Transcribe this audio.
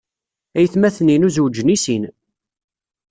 Aytmaten-inu zewjen deg sin.